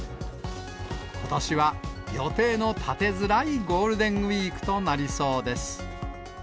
ことしは予定の立てづらいゴールデンウィークとなりそうです。